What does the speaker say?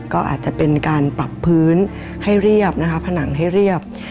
ก็อาจจะเป็นการปรับพื้นให้เรียบนะคะผนังให้เรียบ